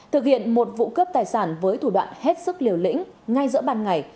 thực hiện một vụ cướp tài sản với thủ đoạn hết sức liều lĩnh ngay giữa ban ngày